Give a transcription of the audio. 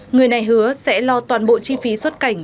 người này hứa sẽ lo toàn bộ chi phí xuất cảnh